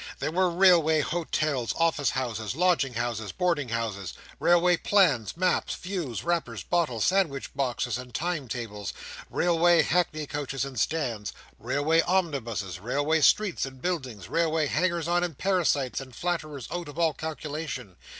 There were railway hotels, office houses, lodging houses, boarding houses; railway plans, maps, views, wrappers, bottles, sandwich boxes, and time tables; railway hackney coach and stands; railway omnibuses, railway streets and buildings, railway hangers on and parasites, and flatterers out of all calculation.